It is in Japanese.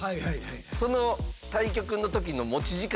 その対局の時の持ち時間